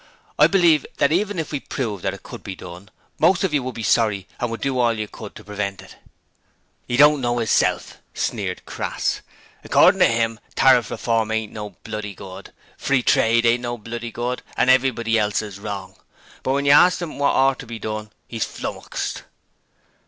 I believe that even if it were proved that it could be done, most of you would be sorry and would do all you could to prevent it.' ''E don't know 'isself,' sneered Crass. 'Accordin' to 'im, Tariff Reform ain't no bloody good Free Trade ain't no bloody good, and everybody else is wrong! But when you arst 'im what ought to be done 'e's flummoxed.'